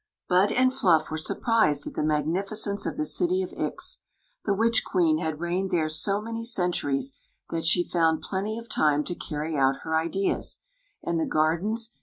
Bm and Fluff were surprwedat the mai^nificence of the city of Ix. The wit di qamn reig»ed Acre so many centuries that she found f^ty m time to carry out her ideas; and the ardens.